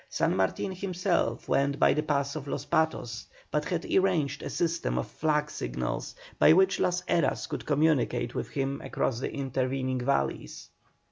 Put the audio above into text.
San Martin himself went by the pass of Los Patos, but had arranged a system of flag signals by which Las Heras could communicate with him across the intervening valleys.